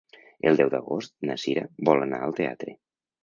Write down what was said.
El deu d'agost na Sira vol anar al teatre.